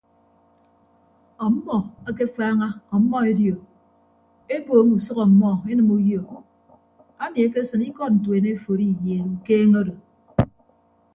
Ọmmọ akefaaña ọmmọ edio eboom usʌk ọmmọ enịme uyo ami ekesịn ikọd ntuen eforo iyeed ukeeñe odo.